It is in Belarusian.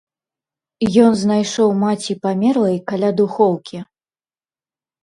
Ён знайшоў маці памерлай каля духоўкі.